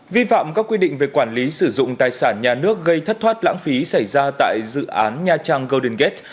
vi phạm các quy định về quản lý sử dụng tài sản nhà nước gây thất thoát lãng phí xảy ra tại dự án nha trang golden gate